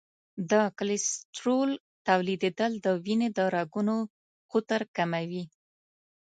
د کلسترول تولیدېدل د وینې د رګونو قطر کموي.